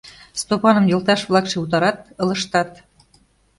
Стопаным йолташ-влакше утарат, ылыжтат...